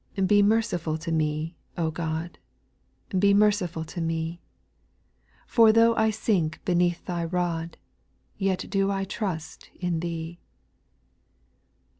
T>E merciful to me, God, Jj Be merciful to me. For though I sink beneath Thy rod, Yet do I trust in Thee.